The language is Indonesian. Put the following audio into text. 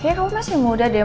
kayaknya kamu masih muda deh